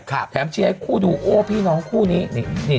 ครับแถมที่ให้คู่ดูโอ้พี่น้องคู่นี้นี่